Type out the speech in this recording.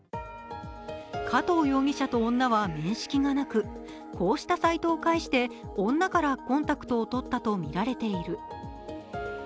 加藤容疑者と女は面識がなくこうしたサイトを介して女からコンタクトを取ったとみられている。